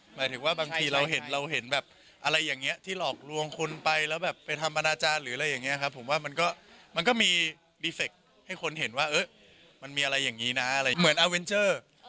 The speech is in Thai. หมายถึงว่าบางทีเราเห็นเราเห็นแบบอะไรอย่างนี้ที่หลอกลวงคนไปแล้วแบบไปทำอนาจารย์หรืออะไรอย่างนี้ครับผมว่ามันก็มีรีเฟคให้คนเห็นว่ามันมีอะไรอย่างนี้นะอะไรอย่างนี้เหมือนอาเวนเจอร์